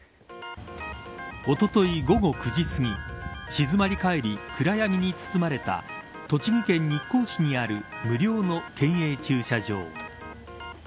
おととい、午後９時すぎ静まり返り、暗闇に包まれた栃木県日光市にある無料の県営駐車場。